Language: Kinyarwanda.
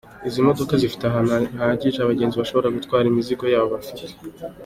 Izi modoka zifite ahantu hahagije abagenzi bashobora gutwara imizigo yabo bafite.